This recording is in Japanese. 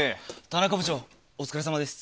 田中部長、お疲れさまです。